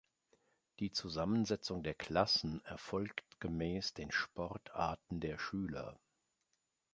Die Zusammensetzung der Klassen erfolgt gemäß den Sportarten der Schüler.